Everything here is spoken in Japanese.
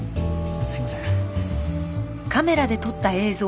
すいません。